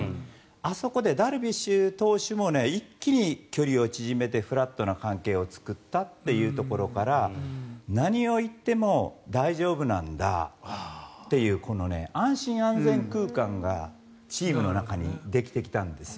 あそこでダルビッシュ投手も一気に距離を縮めてフラットな関係を作ったというところから何を言っても大丈夫なんだっていう安心安全空間がチームの中にできてきたんですよ。